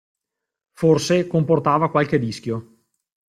Forse, comportava qualche rischio.